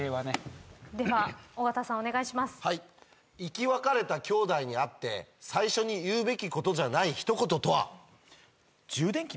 生き別れた兄弟に会って最初に言うべきことじゃない一言とは？